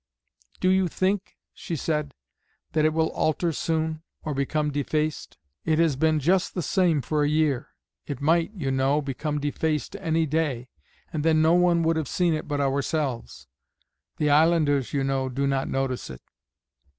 "Do you think," she said, "that it will alter soon, or become defaced? It has been just the same for a year. It might, you know, become defaced any day, and then no one would have seen it but ourselves. The islanders, you know, do not notice it."